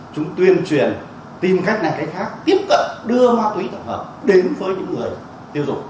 chúng tuyên truyền tìm cách này cách khác tiếp cận đưa ma túy tổng hợp đến với những người tiêu dùng